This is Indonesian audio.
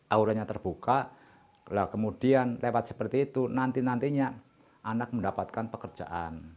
auranya terbuka kemudian lewat seperti itu nanti nantinya anak mendapatkan pekerjaan